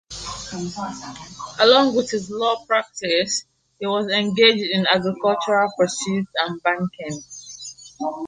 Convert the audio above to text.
Along with his law practice he was engaged in agricultural pursuits and banking.